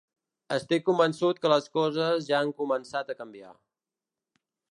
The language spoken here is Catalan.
Estic convençut que les coses ja han començat a canviar.